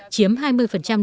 chiếm hai mươi đồng